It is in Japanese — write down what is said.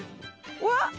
うわっ！